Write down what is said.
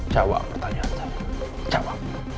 jawab pertanyaan saya